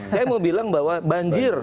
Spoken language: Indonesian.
saya mau bilang bahwa banjir